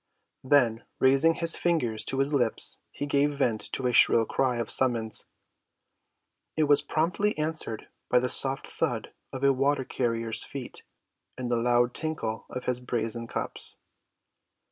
Then raising his fingers to his lips he gave vent to a shrill cry of summons. It was promptly answered by the soft thud of a water‐carrier's feet and the loud tinkle of his brazen cups.